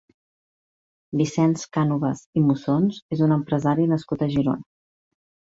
Vicenç Cànovas i Mussons és un empresari nascut a Girona.